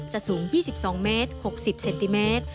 สูง๒๒เมตร๖๐เซนติเมตร